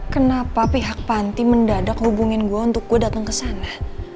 kenapa pihak panti mendadak hubungin gue untuk gue dateng kesana